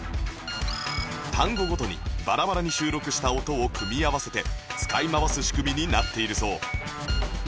単語ごとにバラバラに収録した音を組み合わせて使い回す仕組みになっているそう